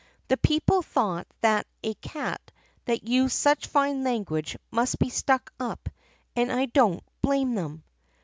The people thought that a cat that used such fine language must be stuck up, and I don't blame them.